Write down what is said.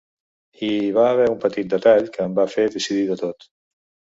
I hi va haver un petit detall que em va fer decidir de tot.